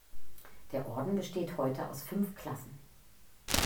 Der Orden besteht heute aus fünf Klassen.